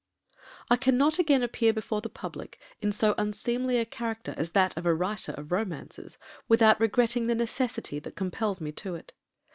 I cannot again appear before the public in so unseemly a character as that of a writer of romances, without regretting the necessity that compels me to it.